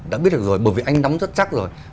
đã biết được rồi bởi vì anh nắm rất chắc rồi